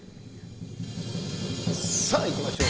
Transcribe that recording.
さあいきましょう。